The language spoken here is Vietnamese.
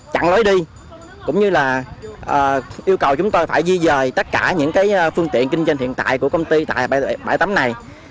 chặn lối đi cũng như là yêu cầu chúng tôi phải di dời tất cả những phương tiện kinh doanh hiện tại của công ty tại bãi tắm này